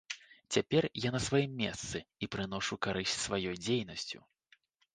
Цяпер я на сваім месцы і прыношу карысць сваёй дзейнасцю.